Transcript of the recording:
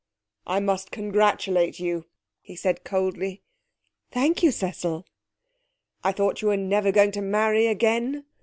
'I must congratulate you,' he said coldly. 'Thank you, Cecil.' 'I thought you were never going to marry again?'